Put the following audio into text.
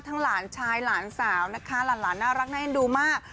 หลานชายหลานสาวนะคะหลานน่ารักน่าเอ็นดูมาก